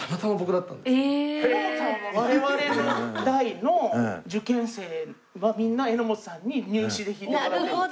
我々の代の受験生はみんな榎本さんに入試で弾いてもらっているんです。